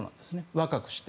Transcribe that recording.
若くして。